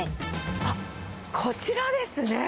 あっ、こちらですね。